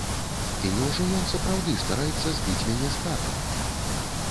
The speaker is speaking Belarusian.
І няўжо ён сапраўды стараецца збыць мяне з хаты!